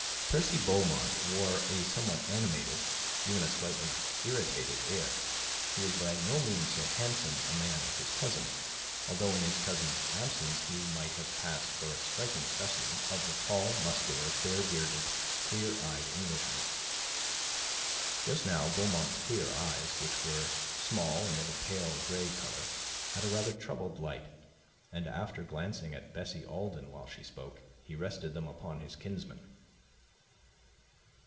Percy Beaumont wore a somewhat animated even a slightly irritated air. He was by no means so handsome a man as his cousin, although in his cousin's absence he might have passed for a striking specimen of the tall, muscular, fair bearded, clear eyed Englishman. Just now Beaumont's clear eyes, which were small and of a pale gray color, had a rather troubled light, and, after glancing at Bessie Alden while she spoke, he rested them upon his kinsman.